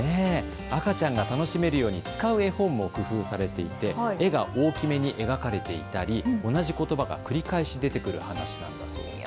赤ちゃんが楽しめるように使う絵本も工夫されていて絵が大きめに描かれていたり同じことばが繰り返し出てくる話だそうですよ。